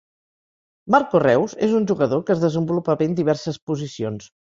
Marco Reus, és un jugador que es desenvolupa bé en diverses posicions.